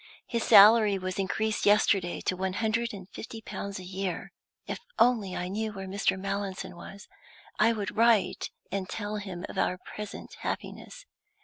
His salary was increased yesterday to one hundred and fifty pounds a year. If I only knew where Mr. Mallinson was, I would write and tell him of our present happiness.